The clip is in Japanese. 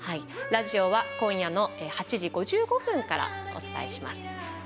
ラジオは今夜の８時５５分からお伝えします。